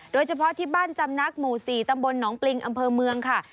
โดยเฉพาะที่บ้านจำนักหมู่๔ตำบลหนองปริงอำเภอเมืองค่ะ